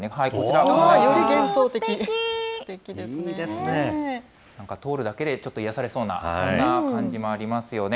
なんか通るだけでちょっと癒やされそうな、そんな感じもありますよね。